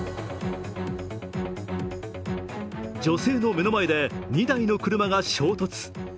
女性の目の前で２台の車が衝突。